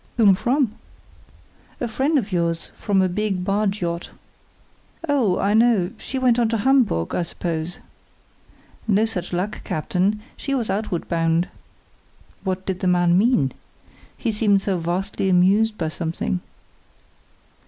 "Whom from?" "A friend of yours from a big barge yacht." "Oh, I know; she went on to Hamburg, I suppose?" "No such luck, captain; she was outward bound." What did the man mean? He seemed to be vastly amused by something.